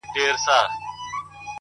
دا له هغه مرورو مرور دی”